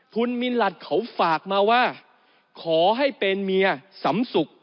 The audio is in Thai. คุณมินลัดเขาฝากมาว่าขอให้เป็นเมียสำสุข